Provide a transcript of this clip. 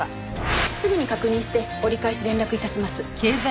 すぐに確認して折り返し連絡致します。